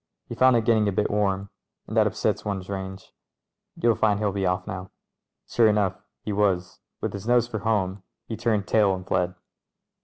"He found it get ting a bit warm, and that upsets one's range. Vou'II find he'll be off now." Sure enough he was — with his nose for home he turned tail and fled.